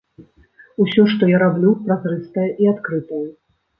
Усё, што я раблю, празрыстае і адкрытае.